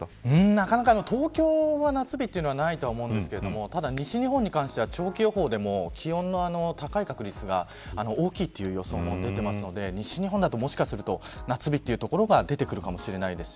なかなか東京は夏日というのはないと思うんですけど西日本に関しては、長期予報でも気温が高い確率が大きいという予想も出ているので西日本だともしかすると夏日の所が出てくるかもしれないです。